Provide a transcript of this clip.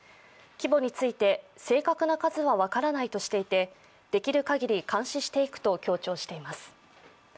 規模について、正確な数は分からないとしていてできる限り監視していくと強調しています。